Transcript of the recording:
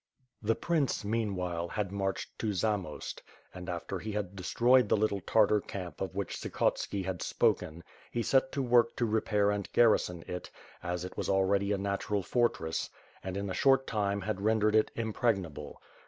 The prince, meanwhile, had marched to Zamost, and after he had destroyed the little Tartar camp of which Tsikhotski had spoken, he set to work to repair and garrison it, as it was already a natural fortress; and, in a short time, had rendered it impregnable.